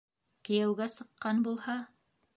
- Кейәүгә сыҡҡан булһа?